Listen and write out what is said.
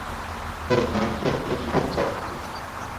没关系，没事就好